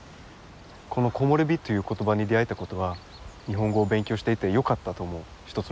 この「木漏れ日」という言葉に出会えたことは日本語を勉強していてよかったと思う一つのことです。